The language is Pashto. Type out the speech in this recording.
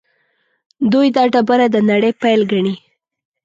دوی دا ډبره د نړۍ پیل ګڼي.